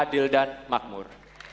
adil dan makmur